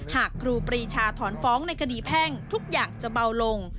ครูปรีชาถอนฟ้องในคดีแพ่งทุกอย่างจะเบาลง